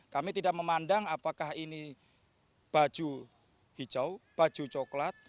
kami tidak memandang apakah ini baju hijau baju coklat